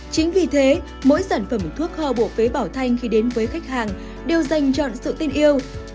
chính vì thế mỗi sản phẩm thuốc hoa bổ phế bảo thanh khi đến với khách hàng đều dành trọn sự tin yêu